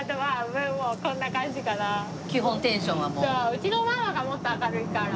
うちのママがもっと明るいから。